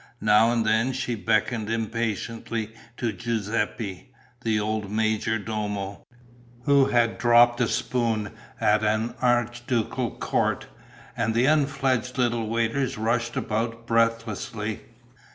Now and then she beckoned impatiently to Giuseppe, the old major domo, who had dropped a spoon at an archducal court; and the unfledged little waiters rushed about breathlessly.